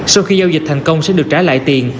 sau khi giao dịch thành công sẽ được trả lại tiền